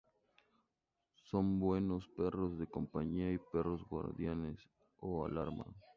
Son buenos perros de compañía y perros guardianes o alarma.